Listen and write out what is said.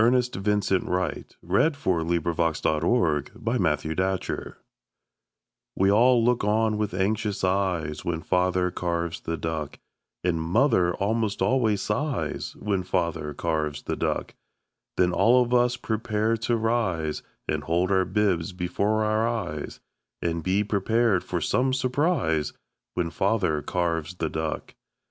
1672884When Father Carves the Duck1891Ernest Vincent Wright We all look on with anxious eyes When Father carves the duck And mother almost always sighs When Father carves the duck Then all of us prepare to rise And hold our bibs before our eyes And be prepared for some surprise When Father carves the duck.